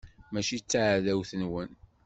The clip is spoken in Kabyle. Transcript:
Mačči d taɛdawt-nwen.